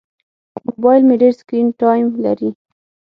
موبایل مې ډېر سکرین ټایم لري.